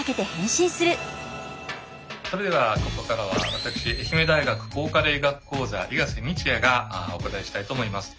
それではここからは私愛媛大学抗加齢医学講座伊賀瀬道也がお答えしたいと思います。